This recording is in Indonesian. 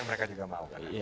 akhirnya mereka juga mau